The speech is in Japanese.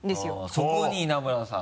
そこに稲村さん？